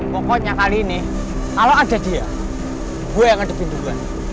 pokoknya kali ini kalau ada dia gue yang ngadepin duluan